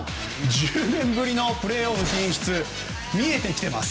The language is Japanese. １０年ぶりのプレーオフ進出見えてきています。